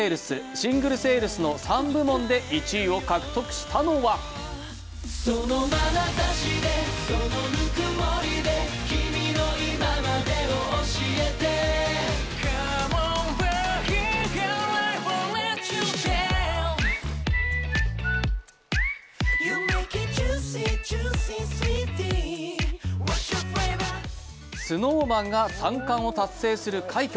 シングルセールスの３部門で１位を獲得したのはＳｎｏｗＭａｎが３冠を達成する快挙。